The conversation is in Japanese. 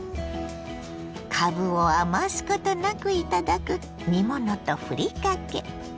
かぶを余すことなくいただく煮物とふりかけ。